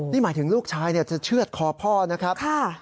นี่หมายถึงลูกชายจะเชื่อดคอพ่อนะครับ